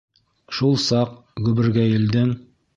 Шул саҡ гөбөргәйелдең: